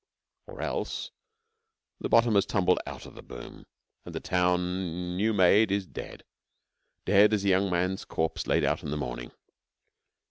Or else the bottom has tumbled out of the boom, and the town new made is dead dead as a young man's corpse laid out in the morning.